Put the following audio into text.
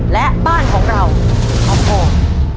และบ้านของเราข้าวโพด